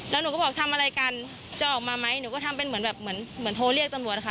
แล้วหนูก็บอกทำอะไรกันจะออกมาไหมหนูก็ทำเป็นเหมือนแบบเหมือนเหมือนโทรเรียกตำรวจค่ะ